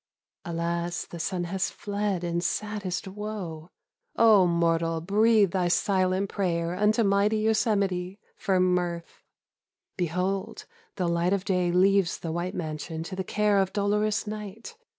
Alas, the sun has fled in saddest woe !— O mortal, breathe thy silent prayer unto mighty Yosemite for mirth ! Behold, the light of day leaves the white mansion to the care of dolorous night